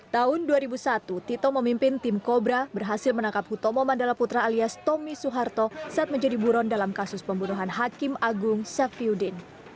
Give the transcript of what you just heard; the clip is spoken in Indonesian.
tahun dua ribu satu tito memimpin tim kobra berhasil menangkap hutomo mandala putra alias tommy suharto saat menjadi buron dalam kasus pembunuhan hakim agung safiuddin